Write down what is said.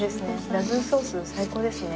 ラグーソースが最高ですね。